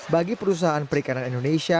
bagi perusahaan perikanan indonesia